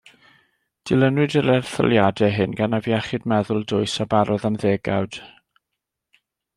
Dilynwyd yr erthyliadau hyn gan afiechyd meddwl dwys a barodd am ddegawd.